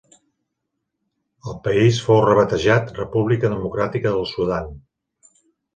El país fou rebatejat República Democràtica del Sudan.